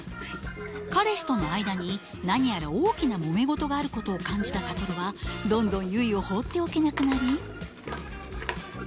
彼氏との間に何やら大きなもめ事があることを感じた諭はどんどん結を放っておけなくなり。